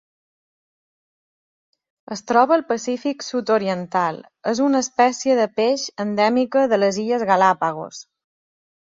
Es troba al Pacífic sud-oriental: és una espècie de peix endèmica de les Illes Galápagos.